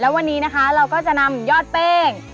วันนี้นะคะเราก็จะนำยอดแป้ง